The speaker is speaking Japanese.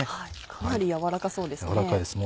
かなり軟らかそうですね。